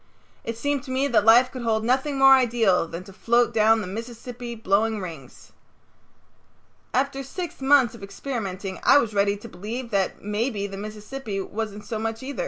It seemed to me that life could hold nothing more ideal than to float down the Mississippi blowing rings. After six months of experimenting I was ready to believe that maybe the Mississippi wasn't so much either.